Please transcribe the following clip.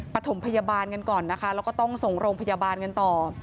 ถมพยาบาลกันก่อนนะคะแล้วก็ต้องส่งโรงพยาบาลกันต่อ